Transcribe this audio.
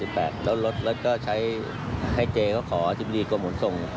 แล้วลดก็ใช้ให้เจ๊เขาขอเจ้าที่บีดก็หมดทรง